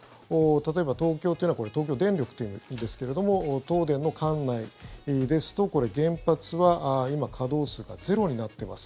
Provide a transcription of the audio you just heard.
例えば東京というのは東京電力ですけれども東電の管内ですと、原発は今稼働数がゼロになっています。